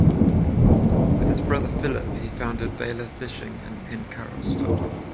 With his brother Philip he founded Vela Fishing and Pencarrow Stud.